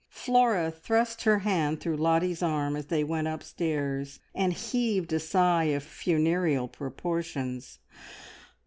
Flora thrust her hand through Lottie's arm as they went upstairs and heaved a sigh of funereal proportions.